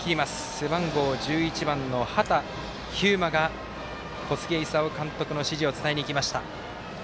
背番号１１番の畑飛雄馬が小菅勲監督の指示を伝えにいきました。